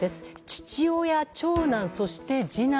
父親、長男、そして次男。